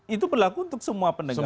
itu berlaku untuk semua penegak hukum